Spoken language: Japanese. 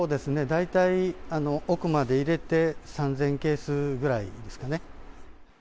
大体、奥まで入れて３０００ケースぐらいですかね。